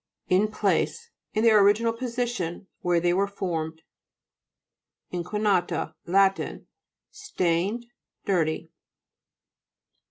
IN PLACE In their original position where they were formed. INIUJINA'TA Lat Stained, dirty.